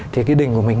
thì cái đình của mình